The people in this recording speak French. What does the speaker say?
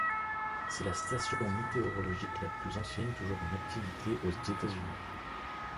C'est la station météorologique la plus ancienne toujours en activité aux États-Unis.